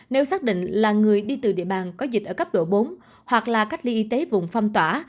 nếu xác định là người đi từ địa bàn có dịch ở cấp độ bốn hoặc là cách ly y tế vùng phong tỏa